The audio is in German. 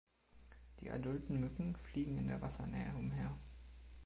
Die adulten Mücken fliegen in der Wassernähe umher.